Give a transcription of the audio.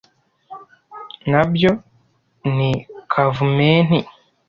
nabyo ni kavumenti :